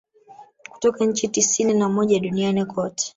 Kutoka nchi tisini na moja duniani kote